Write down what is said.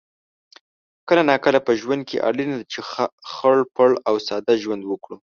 کله ناکله په ژوند کې اړینه ده چې خړ پړ او ساده ژوند وکړو